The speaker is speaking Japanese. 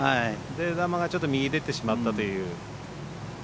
出球が右に出てしまったという。